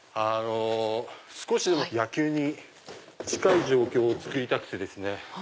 少しでも野球に近い状況をつくりたくてですね